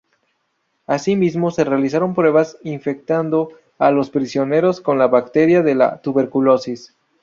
Asimismo, se realizaron pruebas infectando a los prisioneros con la bacteria de la tuberculosis.